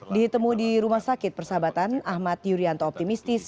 ditemui di rumah sakit persahabatan ahmad yuryanto optimistis